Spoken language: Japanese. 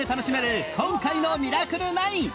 今回の『ミラクル９』